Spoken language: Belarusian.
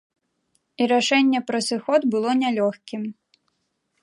І рашэнне пра сыход было нялёгкім.